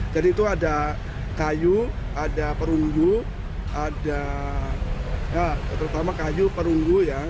jadi itu ada kayu ada perunggu ada terutama kayu perunggu ya